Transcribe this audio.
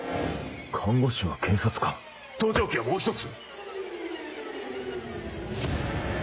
「看護師は警察官盗聴器はもう一つ」。